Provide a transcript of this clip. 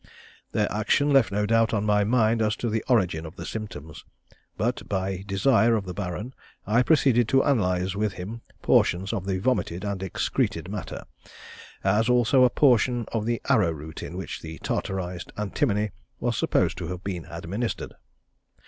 Their action left no doubt on my mind as to the origin of the symptoms; but by desire of the Baron I proceeded to analyse with him portions of the vomited and excreted matter, as also a portion of the arrow root in which the tartarised antimony was supposed to have been administered.